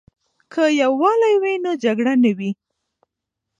که یووالی وي نو جګړه نه وي.